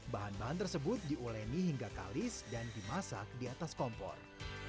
bahan bahan tersebut diuleni hingga kalis dan dimasak di atas kompor